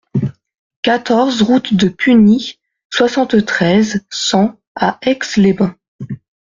quatorze route de Pugny, soixante-treize, cent à Aix-les-Bains